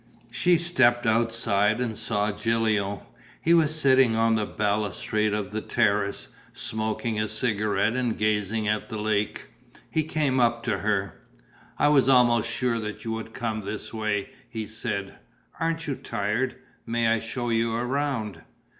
She stepped outside and saw Gilio. He was sitting on the balustrade of the terrace, smoking a cigarette and gazing at the lake. He came up to her: "I was almost sure that you would come this way," he said. "Aren't you tired? May I show you round?